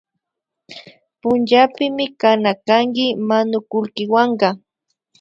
Punllapimi kana kanki manukulkiwanka